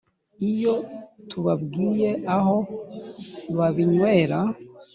iyo tubabwiye aho babinywera